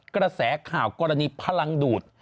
กระแสข่าวกรณีพลังดูด